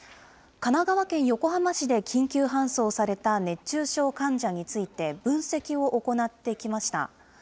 神奈川県横浜市で緊急搬送された熱中症患者について、分析を行ってきました。